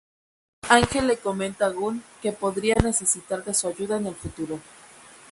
Ángel le comenta a Gunn que podría necesitar de su ayuda en el futuro.